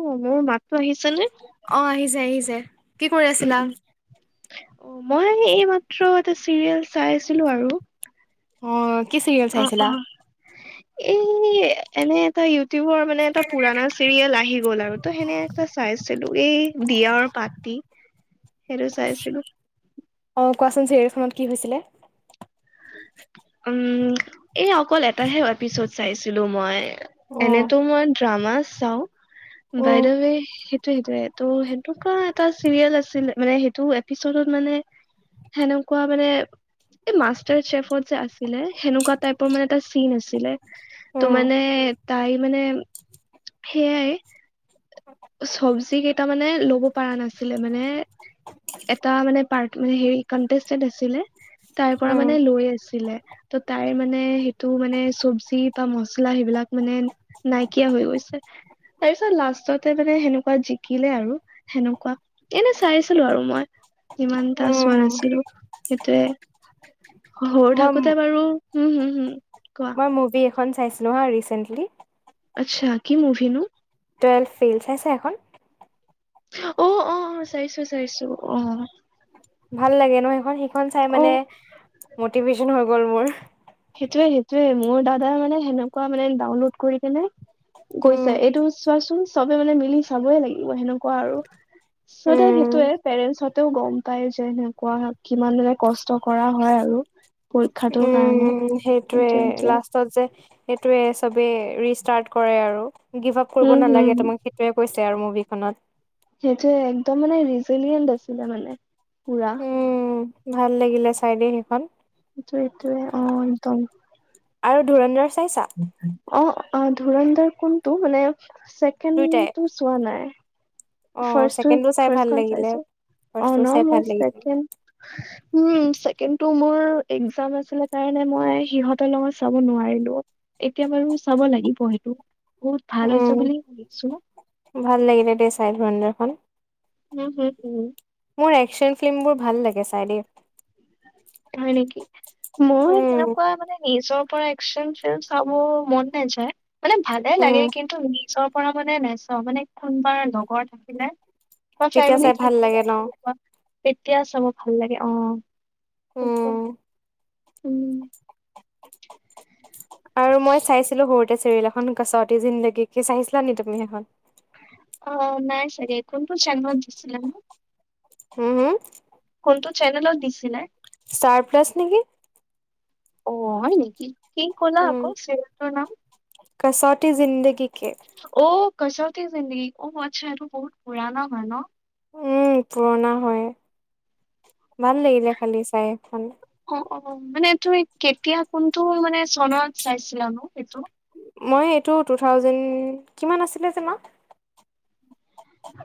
অ, মোৰ মাততো আহিছে নে? অ, আহিছে - আহিছে। কি কৰি উম আছিলা? -উম অ, মই এইমাত্ৰ এটা চিৰিয়েল চাই আছিলো আৰু। অ, কি চিৰিয়েল অ অ। চাইছিলা? এই এনে এটা ইউটিউবৰ মানে এটা পুৰানা চিৰিয়েল আহি গ'ল আৰু ত' সেনে এটা চাইছিলো এই দিয়া অৰ পাতি। সেইটো চাই আছিলো। অ, কোৱাচোন চিৰিয়েল খনত কি হৈছিলে? উম, এঅকল এটাহে এপিছড চাইছিলো মই। উম এনেতো মই ড্ৰামাচ চাও উম বাইদেৱে টো সেইটোৱেইটো সেইটো কাৰণ এটা চিৰিয়েল আছিল মানে সেইটো এপিচডত মানে সেনেকোৱা মানে এই মাষ্টাৰচেফত যে আছিলে সেনেকুৱা টাইপৰ মানে এটা চিন আছিলে ত' উম মানে তাই মানে সেয়াই চব্জি কেইটা মানে ল'ব পাৰা নাছিলে মানে এটা মানে পাৰ্ট মানে হেৰি কনটেষ্টেন্ত আছিলে তাৰ পৰা উম মানে লৈ আছিলে। ত' তাইৰ মানে সেইটো মানে চবজি বা মচলা সেইবিলাক মানে নাইকিয়া হৈ গৈছে তাৰপিছত লাষ্টত তে মানে সেনেকুৱা জিকিলে আৰু সেনেকুৱা এনে চাইছিলো আৰু মই। ইমান এটা উম চোৱা নাছিলো সেইটোয়ে। সৰু মই থাকোতে বাৰু হম -হম -হম। মই মুভি এখন চাইছিলো হা ৰিচেন্টলি আচ্ছা কি মূভি নো? টুৱেলভ ফেইল চাইছা এখন? অ', অ', অ', চাইছো -চাইছো অ, ভাল লাগে ন, এখন সেইখন চাই অ মানে মটিভেচন হৈ গ'ল মোৰ। সেইটোয়ে- সেইটোয়ে মোৰ দাদাই মানে সেনেকুৱা মানে ডাউনলোড কৰি কেনে উম গৈছে এইটো চোৱাচোন চবে মানে মিলি চাবই লাগিব সেনেকুৱা আৰু। চ' দে উম সেইটোয়ে পেৰেন্টচ হতেও গম পায় যে সেনেকুৱা কিমান মানে কষ্ট কৰা হয় আৰু। পৰীক্ষাটোৰ কাৰণে। উম, সেইটোৱে লাষ্টত যে এটোৱে চবে ৰিষ্টাৰ্ট কৰে আৰু। গিভ আপ কৰিব হম নালাগে হম তোমাক সেইটোৱে কৈছে আৰু মুভিখনত। সেইটোৱে একদম মানে ৰিজিলিয়েণ্ট আছিলে মানে পুৰা। উম, ভাল লাগিলে চাই দেই সেইখন। সেইটোৱেই- সেইটোৱেই অ, একদম। আৰু ধুৰনদৰ চাইছা? অ', অ', ধুৰনদৰ কোনটো মানে চেকেণ্ড দুইটাই টো চোৱা নাই। অ ফাৰ্ষ্ট টো ছেকেণ্ডটো চাই ভাল ফাৰ্ষ্টখন লাগিলে চাইচো অ, ফাৰ্ষ্টটো ন' চাই মই ভাল লাগিলে চেকেণ্ড উম, ছেকেণ্ডটো মোৰ একজাম আছিল কাৰণে মই সিহঁতৰ লগত চাব নোৱাৰিলোঁ। এতিয়া বাৰু চাব লাগিব সেইটো বহুত ভাল উম হৈছে বুলি ভাবিছোঁ। ভাল লাগিলে দেই চাই ধুৰনদৰখন। উম, হুম, উম, মোৰ একশচন ফিল্মবোৰ ভাল লাগে চাই দে। হয় নেকি? মোৰ উম সেনেকুৱা মানে নিজৰ পৰা একচন ফিল্ম চাব মন নেযায়। মানে ভালে উম লাগে কিন্তু নিজৰ পৰা মানে নেচাওঁ মানে কোনবাৰ লগৰ থাকিলে বা তেতিয়া চাই ফেমিলি ভাল লাগে থাকিলে ন সেনেকুৱা তেতিয়া চাব ভাল লাগে অ। উম সেইটোৱে উম। আৰু মই চাইছিলো সৰুতে চিৰিয়েল এখন কছতি জিন্দেগী কি চাইছিলা নেকি তুমি সেইখন? অঁ নাই চাগে কোন তো চেনেলত দিছিলে নো হম হুম কোনটো চেনেলত দিছিলে? ষ্টাৰ প্লাছ নেকি। অ হয় নেকি কি ক'লা উম আকৌ চিৰিয়েল খনৰ নাম কচৌটি জিন্দগী কে অঁ কছতি জিন্দগী অঁ মই আচ্ছা এইটো বহুত পুৰণা হয় ন উম পুৰণা হয় ভাল লাগিলে খালি চাই এখন অঁ অঁ মানে তুমি কেতিয়া কোনটো মানে চনত চাইছিলা সেইটো মই এইটো টু থাউজেণ্ড কিমান আছিলে যে মাহ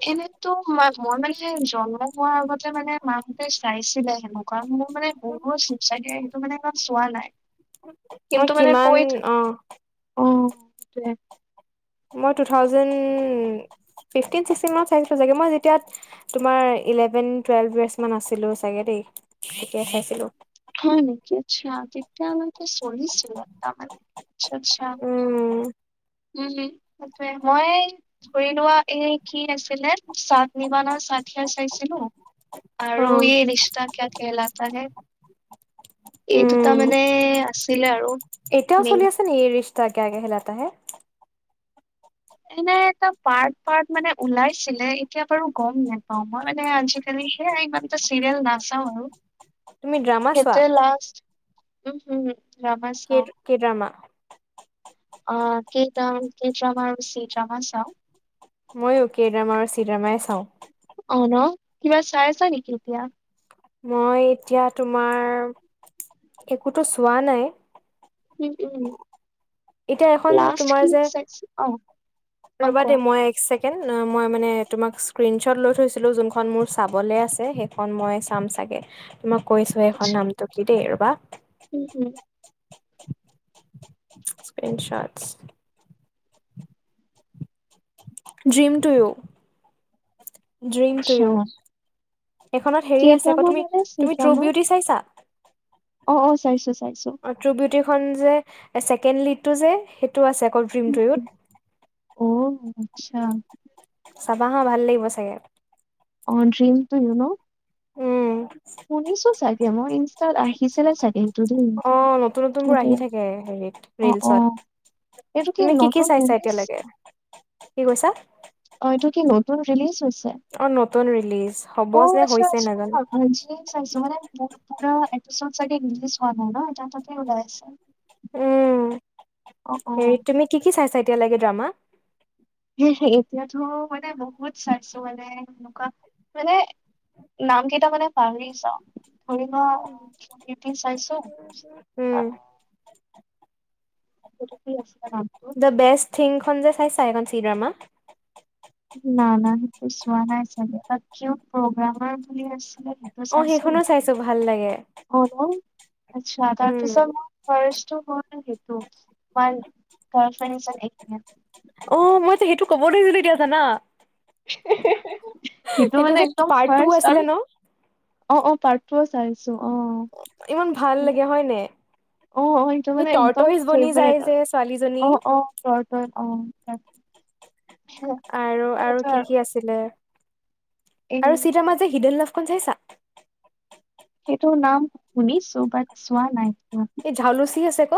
এনেতো ম মই মানে জন্ম হোৱাৰ আগতে মানে মাহতে চাইছিলে হেনেকুৱা মোৰ মানে ব চপ চাইডে সেটো মানে ইমান চোৱা নাই মই কিন্তু মানে কিমান কৈ থ অ অঁ সেইটোৱে মই two thousand fifteen sixteen মানত চাইছিলো চাগে মই যেতিয়া, তোমাৰ ইলেভেন টুৱেলভ বেছ আছিলো চাগে দেই তেতিয়া চাইছিলোঁ। হয় নেকি আচ্ছা কি চলিছিল তমাৰচত চাম উম উম সেইটোৱে মই ধৰি লোৱা এই কি আছিলে চাথ নিভানা সাথিয়া চাইছিলোঁ অ আৰু যে ৰিচতা কিয়া কেহলাতা হে। এই দুটা উম মানে আছিলে আৰু মেইন যে ৰিচতা কিয়া কেহলাতা হে। এনে এটা পাৰ্ট পাৰ্ট মানে ওলাইছিলে এতিয়া বাৰু গম নোপাও মই মানে আজিকালি সেয়াই ইমান চিৰিয়েল নচাওঁ আৰু তুমি ড্ৰামা চোৱা সেইটোৱেই লাষ্ট ড্ৰামা কে চাও কেদামা অ কটন কেদামা আৰু চিদামা চাও মইও কেদামা আৰু চিদামাই চাওঁ অ ন কিবা চাই আছা নেকি এতিয়া মই এতিয়া তোমাৰ একোতো চোৱা নাই উম উম এতিয়া এখন লাষ্ট তোমাৰ কি যে চাইছো অ অ ৰবা কোৱা দেই মই এক ছেকেণ্ড কেন মই মানে তোমাক স্ক্ৰীনশ্বট লৈ থৈছিলোঁ যোনখন মোৰ চাবলৈ আছে। খন মই চাম চাগে ত মই কৈছো আচ্ছা এইখন নামটো কি দেই ৰবা উম হুম ইনচাৰ্ট dream to you dream to আচ্ছা। ইউ এইখনত কে হেৰি আছে আকৌ ড্ৰামা তুমি মানে চি তুমি ট্ৰু ড্ৰামা? বিউটি চাইছা অ অ চাইছো চাইছো ট্ৰু বিউটিখন যে ছেকেণ্ড লিডটো যে সেইটো আছে আকৌ ড্ৰিম টুইত অ আচ্ছা চাবা হাঁ ভাল লাগিব চাগে অঁ ড্ৰ্ৰীমটো ইউ ন' [unintelligible] শুনিছো চাগে মই তাত আহিছিলে চাগেলটো দেই অ নতুন নতুনবোৰ সেইটে আহি থাকে হেৰিত অ অ ৰিলচত এইটো কি তুমি নতুন চাইছা ৰিলিছ এতিয়ালৈকে কি কৈছা? অ এইটো কি নতুন ৰিলিজ হৈছে অ নতুন ৰিলিজ হ'ব অ', যে আচ্ছা হৈছে আচ্ছা। নাজানো [unintelligible] উম অ', অ', হৰি তুমি কি কি চাইছা এতিয়ালকে ড্ৰামা? সেই এতিয়াতো মানে বহুত চাইছো মানে এনেকুৱা মানে- নাম কেইটা মানে পাহৰি জাওঁ। ধৰি লোৱা দি চাইছো উম, আঁ - এইটো কি আছিলে নাম? দা বেষ্ট থিংখন যে চাইছা এইখন চিনেমা? না না সেইটো চোৱা নাই চাগে প্ৰগ্ৰামৰ বুলি আছে। অ', চাইছো সেইখনো চাইছো ভাল লাগে। হল আচ্ছা উম, [unintelligible] ফষ্টো [unintelligible] অঁ, মইতো সেইটো ক'ব ধৰিছিলোঁ এতিয়া জানা। সেইটো মানে যে একদম পাৰ্ট টু ফাৰ্ষ্ট আছিলে আৰু- ন? অঁ অঁ পাৰ্ট টু চাইছো অঁ। ইমান ভাল লাগে হয় নাই। অ অ সেইটো সেই মানে একদম টৰটইছ বনি যায় যে ছোৱালীজনী। তই তই অ ত- আৰু আৰু কি কি আছিলে? আৰু এই চিত আ মা হৃদল্লাভখন চাইছা? সেইটো নাম শুনিছো বাত চোৱা নাই। সেইটো। এই ঝাউলুচি আছে ক।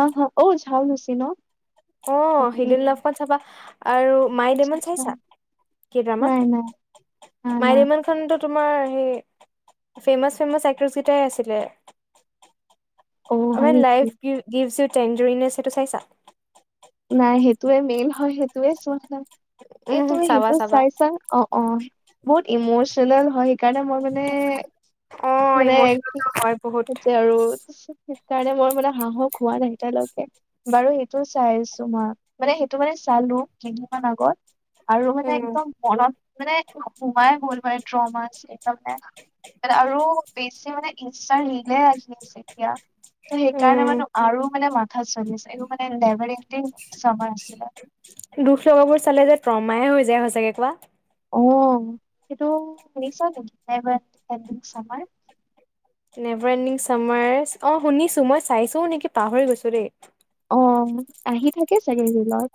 অ হ ঝাউলুছি ন। অ অকে। হিদল্লাভখন চাবা আৰু। মাই দেম আচ্ছা আচ্ছা চাইছা কেদেমা নাই নাই না না মাইদেমা- খনো তোমাৰ সেই ফেমাচ ফেমাচ এক্ট্ৰছ কেইটাই আছিলে। অ হয় আমি নেকি? লাইফ গিভ গিভচি ই টেন টুৰিনেছ সেইটো চাইছা। নাই সেইটোৱে মেন হয় সেইটোৱে চোৱা না উম চাবা সেইটো চাবা চাই চাঙ। অ অ বহুত ইমচনেল হয় সেইকাৰণে মই মানে- অ মানে ইমোচনেল সেই হয় বহুত যে আৰু- সেই কাৰণে মই মানে সাহস হোৱা নাই এতিয়ালৈকে বাৰু সেইটো চাইছ- তোমাৰ মানে সেইটো মানে চালো কেইদিনমান আগত আৰু মানে উম একদম মনত- মানে সোমাই গ'ল মানে ড্ৰ'মাছ ত মানে- মানে আৰু বেছি মানে ইনষ্টাৰ ৰিলে আহি- এতিয়া ত সেইকাৰণে উম মানে আৰু মানে মাথা চলি আছে এইবোৰ লেভাৰিং- ছময় আছিলে। দুখ লগাবোৰ চালে যে ট্ৰমায়ে হৈ যায় সঁচাকে কোৱা। অ সেইটো শুনিছা নেকি নেভাৰনিং টেনদিং চামাৰ। নেভাৰনিং চামাৰ অ শুনিছো মই চাইছো নেকি পাহৰি গৈছো দেই। অঁ, আহি থাকে চাগে ৰিলত-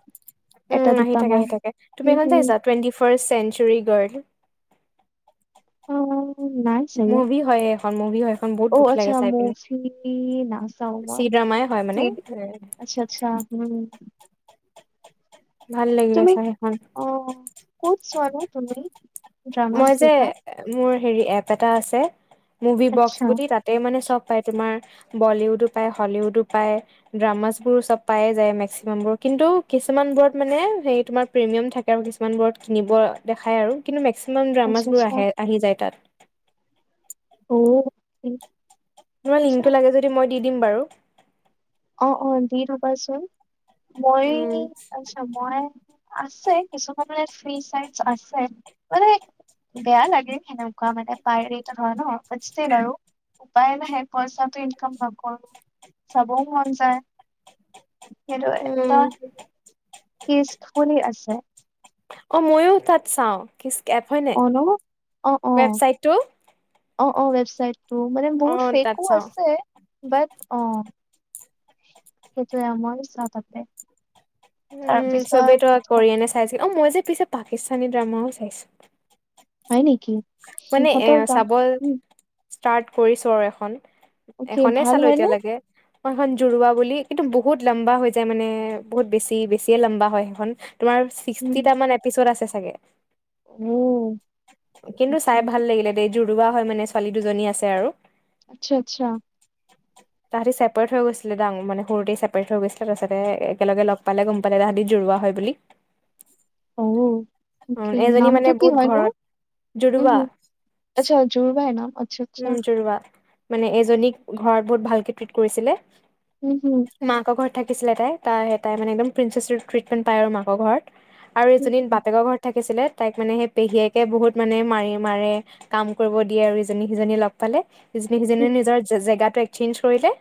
এটা উম আহি থাকে, দুটামান। আহি থাকে তুমি উম এখন চাই হুম। চা টুৱেণ্টি ফাৰ্ষ্ট চেঞ্চুৰী গাৰ্ল। অঁ নাই। চাগে মুভি হয় এইখন মুভি হয় এখন বহুত অ দুখ আচ্ছা লাগে চাই পিনি মুভি নাচাও চি মই। ড্ৰামাই হয় মানে। চিৰি উম আচ্ছা আচ্ছা উম। ভাল লাগিলে তুমি চাই সেইখন অঁ ক'ত চোৱানো তুমি? ড্ৰামাছ মই যে কেইটা? মোৰ হেৰি এপ এটা আছে মুভি বক্সপ আচ্ছা বুলি তাত- তাতে মানে চব পায় তোমাৰ বলীউডো পায় হলিউডো পায়। ড্ৰামাছ বোৰো চব পায়ে যায় মেক্সিমাবোৰ কিন্তু কিছুমান বোৰত মানে হাই তোমাৰ প্ৰিমিয়াম থাকে আৰু কিছুমান বোৰত কিনিব দেখাই আৰু কিন্তু মেক্সিমাম ড্ৰামাছ আচ্ছা বোৰ আচ্ছা আহে আহি যায় তাত। ওহ। তোমাৰ লিংকটো লাগে যদি মই দি দিম বাৰু। অঁ অঁ দি থবাচোন। মই- উম মই আছে কিছুমান মানে ফ্ৰী চাই আছে, মানে- বেয়া লাগে সেনেকুৱা মানে [unintelligible] ন' বাট ইচটিল আৰু। উপায় নাই সেই পইচাটো ইনকম নকৰো, চবে মন যায়, সেইটোৱে উম ত' কিজ, শুনি আছে। অ', ময়ো তাত চাও, স্কেম হয়নে, অ ন অ অ ৱেবচাইটটো? অ', অ, ৱেবচাইটটো, মানে অ বহুত তাত ফ্ৰেকো চাওঁ আছে, বাট অ, সেইটোৱে আ মইয়ো চাও তাতে, উম চবেতো তাৰপিছত কৰিয়ানে চাইছিল অ, মই যে পিছে পাকিস্তানী ড্ৰামাও চাইছো। হয় নেকি? মানে এ সিহঁতৰ দাম চাবৰ উম ষ্টাৰ্ট কৰিছোঁ আৰু এখন, অকে এখনেই ভাল চালো হয়নে এতিয়ালৈকে। মই সেখন জোৰোৱা বুলি কিন্তু বহুত লম্বা হৈ যায় মানে, বহুত বেছি বেছিয়ে লম্বা হয় সেইখন। তোমাৰ উম, ছিক্সটিটা মান এপিচড আছে চাগে। অ', কিন্তু অ'কে, চাই ভাল লাগিলে দেই জুৰুবা হয় মানে ছোৱালী দুজনী আছে আৰু। আচ্ছা আচ্ছা, তাহাতি ছেপাৰেট হৈ গৈছিলে [unintelligible] সৰুতে ছেপাৰেট হৈ গৈছিলে তাৰপিছতে একেলগে লগ পালে গম পালে তাহাঁতি জুৰোৱা হয় বুলি। অ', উম অকে এজনী নামটো মানে কি বহুত হয় নো? ঘৰত উম জুৰুৱা হুম, আচ্ছা জুৰবাই ন' আচ্ছা, আচ্ছা। উম জোৰুৱা, মানে এজনীক ঘৰত বহুত ভালকে ট্ৰিট কৰিছিলে। উম হুম, মাকৰ ঘৰত থাকিছিলে তাই তাই তাই মানে একদম প্ৰিচছেচ ট্ৰিটমেণ্ট পায় আৰু মাকৰ ঘৰত। আৰু উম, এজনীৰ বা বাপেকৰ ঘৰত থাকিছিলে তাইক মানে সেই পেহীয়েকে বহুত মানে মাৰি মাৰে কাম কৰিব দিয়ে আৰু জিবি ইজনী সিজনীয়ে লগ পালে সিজনী সিজনী উম, নিজৰ জেগাটো একচেঞ্জ কৰিলে।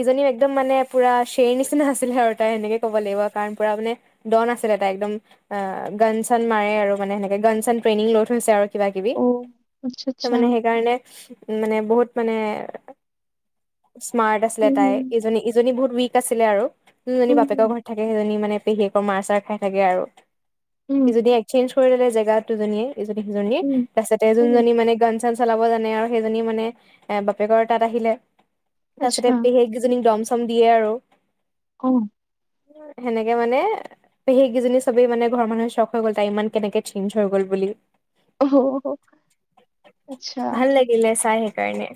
ইজনীও একদম মানে পুৰা শ্বেৰ নিচিনা আছিলে আৰু তাই সেনেকে ক'ব লাগিব কাৰণ পুৰা মানে ডন আছিলে তাই একদম, আ গান চান মাৰে আৰু মানে সেনেকে গান চান ট্ৰেইনিং লৈ থৈছে আৰু। কিবা কিবি, অ', আচ্ছা, ত' আচ্ছা, মানে সেইকাৰণে, উম মানে বহুত মানে স্মাৰ্ট আছিলে উম, তাই ইজনী ইজনী বহুত উইক আছিলে আৰু, যোনজনী হুম, উম, বাপেকৰ হুম, ঘৰত থাকে সেইজনী মানে পেহীয়েকৰ মাৰ চাৰ খাই থাকে আৰু, উম, সি যদি চেঞ্জ কৰি দলে জেগাত দুজনীয়ে ইজনী সিজনীৰ, উম, তাৰপিছতে উম, যোনজনী মানে গান চলাব জানে আৰু সেইজনীয়ে মানে, এ বাপেকৰ তাত আহিলে। আচ্ছা, তাৰপিছতে পেহিয়েক কেইজনীয়ে দম চম দিয়ে আৰু। অ', সেনেকে মানে পেহীয়েককেইজনী চবেই মানে ঘৰৰ মানুহ চখ হৈ গ'ল তাই ইমান কেনেকে চেঞজ হৈ গ'ল বুলি। অ', হ। ভাল লাগিলে চাই সেইকাৰণে।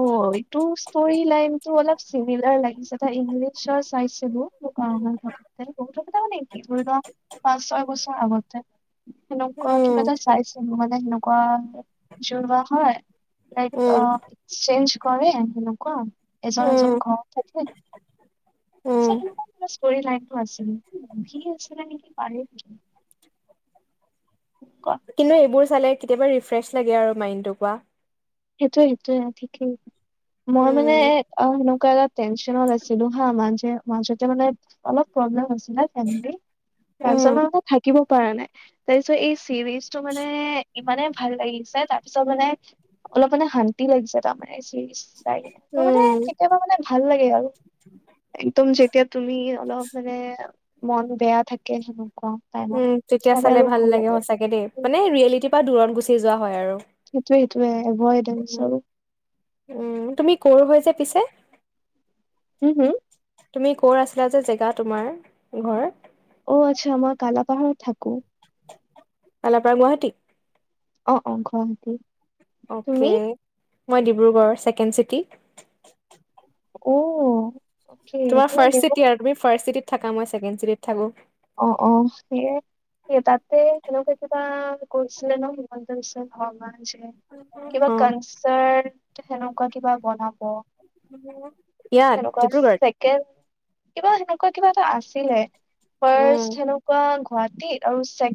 অ', এইটো ষ্টৰি লাইনটো অলপ চিমিলাৰ লাগিছে তাৰ ইংলিছৰ চাইছিলো। [unintelligible] ধৰি লওক পাঁচ ছয় বছৰ আগতে। সেনেকুৱা উম কিবা এটা চাইছোঁ নহয় সেনেকুৱা, জোৰৱা হয়। লাইক উম আ চেঞ্জ কৰে আৰু তেনেকুৱা, এজন উম এজন ঘৰত থাকে। উম [unintelligible] ষ্টৰী লাইনটো আছিল, মুভি আছিলে নেকি পাহৰি গলোঁ। [unintelligible] কিন্তু এইবোৰ চালে কেতিয়াবা ৰিফ্ৰেছ লাগে আৰু মাইণ্ডটো কোৱা। সেইটোৱে সেইটোৱে ঠিকেই, মই মানে উম এ আ সে কালি ৰাত টেনচনত আছিলো হা মা-মাজতে মানে, অলপ প্ৰব্লেব হৈছ [unintelligible] উম তাৰপিছতে মই আকৌ থাকিব পৰা নাই। তাৰপিছত এই চিৰিজটো মানে, ইমানে ভাল লাগিছে তাৰপিছত মানে অলপ মানে শান্তি লাগিছে তাৰমানে চিৰিছ চাই কিনে ত মানে উম, কেতিয়াবা মানে ভাল লাগে আৰু। একদম যেতিয়া তুমি অলপ মানে মন বেয়া থাকে শুনো। উম তেতিয়া চালে ভাল লাগে সচাকে দেই মানে ৰিয়েলিটিৰ পৰা দূৰত গুচি যোৱা হয় আৰু সেইটোৱে সেইটোৱে অভয়ডেন্স উম, আৰু। উম তুমি কৰ হৈ যে পিছে? উম হুম। তুমি ক'ৰ আছিলা যে জেগা তোমাৰ ঘৰ? অ আচ্ছা আমাৰ কালাপাহাৰত থাকো। কালাপাহাৰ গুৱাহাটী। অ অ গুৱাহাটী। তুমি অকে মই ডিব্ৰুগড় ছেকেণ্ড চিটি। অ। অকে তোমাৰ তুমি ফাৰ্ষ্ট দিব চিটি আৰু তুমি ফাৰ্ষ্ট চিটিত থাকা মই ছেকেণ্ড চিটিত থাকো। অ অ সেয়াই তাতে তেনেকোৱা কিবা কৰিছিলে ন। কিবা অ', কানচ চাৰ সেনেকুৱা কিবা বনাব। [unintelligible] সেনেকুৱা ডিব্ৰুগড়ত? ছেকেণ্ড কিবা সেনেকুৱা কিবা এটা আছিলে। উম। ফাৰ্ষ্ট সেনেকুৱা গুৱাহাটীত আৰু ছে